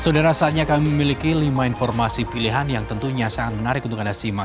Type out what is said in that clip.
sudah rasanya kami memiliki lima informasi pilihan yang tentunya sangat menarik untuk anda simak